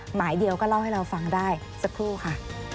หมายเดียวก็เล่าให้เราฟังได้สักครู่ค่ะ